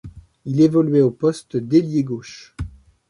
Il évoluait au poste d'Ailier gauche.